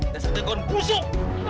desak dekon pusing